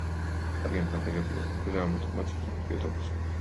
კარგი მქადაგებელი ყოფილა, ამიტომაც უწოდებიათ ოქროპირი.